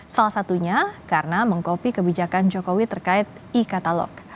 salah satunya karena mengkopi kebijakan jokowi terkait e katalog